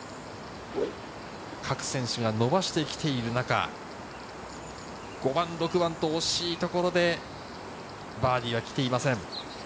各選手が伸ばしてきている中、５番、６番と惜しいところで、バーディーは来ていません。